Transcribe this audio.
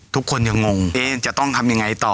ทุกคนยังงงจะต้องทำยังไงต่อ